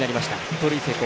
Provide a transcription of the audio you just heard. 盗塁成功。